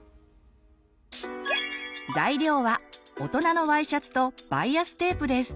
材料は大人のＹシャツとバイアステープです。